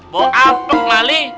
bok apa kemali